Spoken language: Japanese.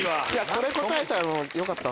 これ答えたのよかった。